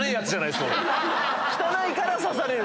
汚いから刺される。